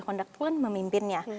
kondak itu kan memimpinnya